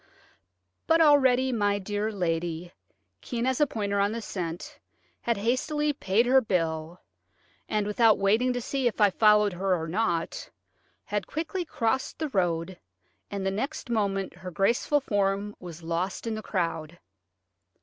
But already my dear lady, keen as a pointer on the scent, had hastily paid her bill, and, without waiting to see if I followed her or not, had quickly crossed the road, and the next moment her graceful form was lost in the crowd.